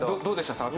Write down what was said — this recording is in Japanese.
どうでした？